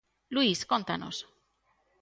Luís, cóntanos?